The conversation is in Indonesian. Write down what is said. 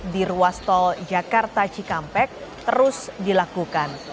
di ruas tol jakarta cikampek terus dilakukan